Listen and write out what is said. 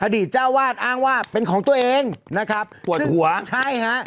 อดีตเจ้าวาดอ้างว่าเป็นของตัวเองนะครับปวดหัวใช่ฮะ